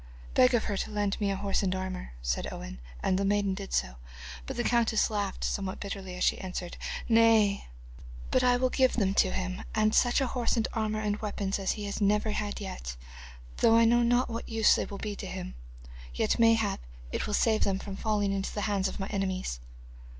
'Beg of her to lend me a horse and armour,' said Owen, and the maiden did so, but the countess laughed somewhat bitterly as she answered: 'Nay, but I will give them to him, and such a horse and armour and weapons as he has never had yet, though I know not what use they will be to him. Yet mayhap it will save them from falling into the hands of my enemies.